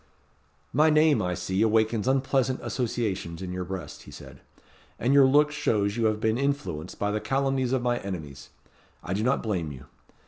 "My name, I see, awakens unpleasant associations in your breast," he said; "and your look shows you have been influenced by the calumnies of my enemies. I do not blame you.